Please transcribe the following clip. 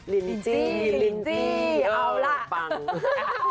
ลิลลิลิลิลลิ